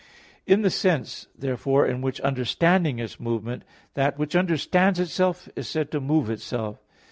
In the sense, therefore, in which understanding is movement, that which understands itself is said to move itself.